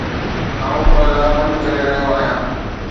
آئون پردا بند ڪري رهيو آهيان